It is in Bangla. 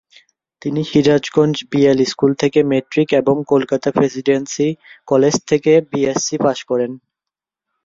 তিনি সিরাজগঞ্জ বিএল স্কুল থেকে ম্যাট্রিক এবং কলকাতা প্রেসিডেন্সি কলেজ থেকে বিএসসি পাস করেন।